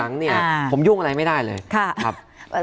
น่าจะเป็นอย่างนั้นไหมครับ